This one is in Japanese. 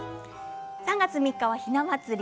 ３月３日はひな祭り。